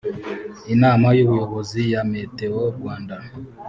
inama y’ubuyobozi ya meteo rwanda